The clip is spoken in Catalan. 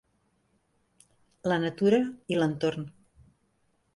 La natura i l'entorn